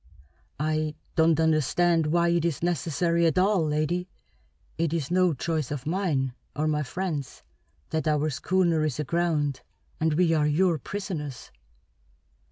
"I don't understand why it is necessary at all, lady. It is no choice of mine, or my friends, that our schooner is aground and we are your prisoners!"